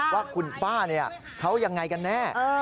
ว่าคุณป้าเขายังไงกันแน่